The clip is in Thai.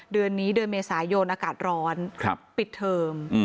เดือนนี้เดือนเมษายนอากาศร้อนปิดเทอม